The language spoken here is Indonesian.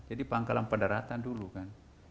jadi pangkalan penderatan dulu kan